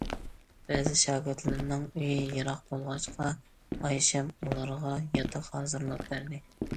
بەزى شاگىرتلىرىنىڭ ئۆيى يىراق بولغاچقا،‹‹ ئايشەم›› ئۇلارغا ياتاق ھازىرلاپ بەردى.